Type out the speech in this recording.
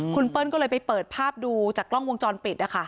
คุณเปิ้ลก็เลยไปเปิดภาพดูจากกล้องวงจรปิดนะคะ